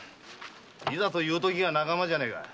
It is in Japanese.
いざというときが仲間じゃねえか。